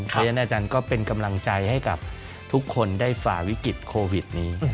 เพราะฉะนั้นอาจารย์ก็เป็นกำลังใจให้กับทุกคนได้ฝ่าวิกฤตโควิดนี้